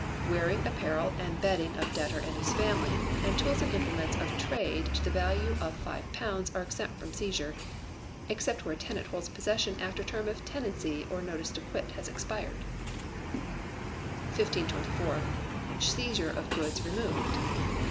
Wearing apparel and bedding of debtor and his family, and tools or implements of trade to the value of £5 are exempt from seizure, except where a tenant holds possession after term of tenancy or notice to quit has expired. 1524. Seizure of Goods removed.